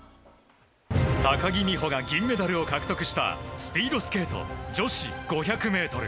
高木美帆が銀メダルを獲得したスピードスケート女子５００ｍ。